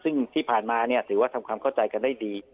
ซึ่งที่ผ่านมาถือว่าทำความเข้าใจกันได้ดี